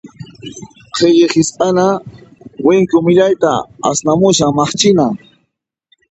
Qhilli hisp'ana winku millayta asnamushan, maqchina.